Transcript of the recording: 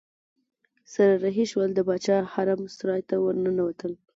سره رهي شول د باچا حرم سرای ته ورننوتل.